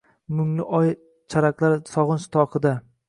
mungli oy charaqlar sog’inch toqida